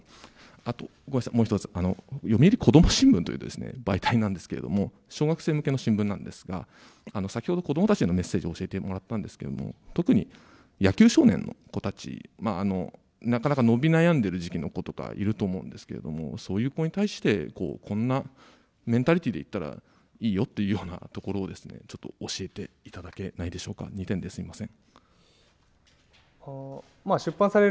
あと、もう一つ、読売子供新聞という媒体なんですけれども、小学生向けの新聞なんですが、先ほど、子どもたちへのメッセージを教えてもらったんですけれども、特に野球少年の子たち、なかなか伸び悩んでいる時期の子とかいると思うんですけれども、そういう子に対して、こんなメンタルでいったらいいよみたいなところをちょっと教えていただけないでしょうか、２点ですみません。